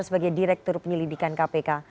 sebagai direktur penyelidikan kpk